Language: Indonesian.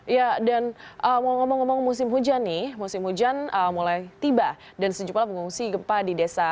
ya dan mau ngomong ngomong musim hujan nih musim hujan mulai tiba dan sejumlah pengungsi gempa di desa